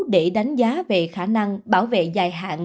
để đánh giá về khả năng bảo vệ dạng